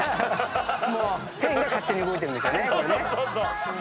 もうペンが勝手に動いてるんでしょうね。